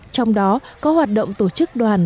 trong đó có hoạt động tổ chức đoàn